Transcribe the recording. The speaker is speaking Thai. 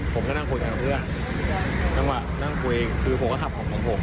ผมก็นั่งคุยกันกับเพื่อนจังหวะนั่งคุยคือผมก็ขับของผม